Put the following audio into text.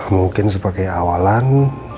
mungkin sebagai awalan